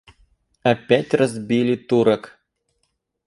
Опять разбили Турок.